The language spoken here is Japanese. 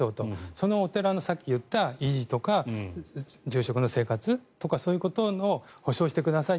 そのお寺のさっき言った維持とか住職の生活とかそういうことを保障してください